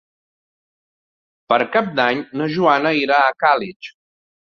Per Cap d'Any na Joana irà a Càlig.